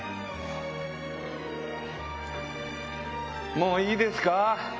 もういいですか？